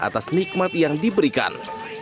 atas nikmat yang diberikan